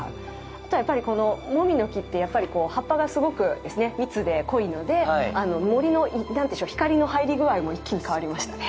あとは、このモミの木って葉っぱがすごく密で濃いので、森の光の入りぐあいも一気に変わりましたね。